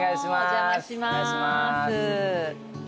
お邪魔します。